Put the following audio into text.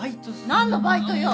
何のバイトよ？